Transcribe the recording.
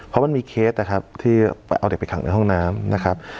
เพราะมันมีเคสนะครับที่เอาเด็กไปขังในห้องน้ำนะครับ